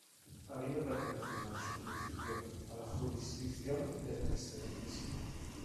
Habiendo pertenecido en su principio a la jurisdicción del Excmo.